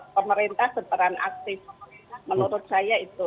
pemerintah berperan aktif menurut saya itu